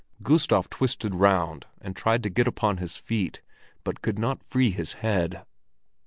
Gustav twisted round and tried to get upon his feet, but could not free his head.